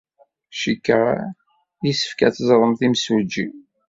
Cikkeɣ yessefk ad teẓremt imsujji.